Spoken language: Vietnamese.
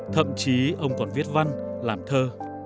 thậm chí ông còn viết văn làm thơ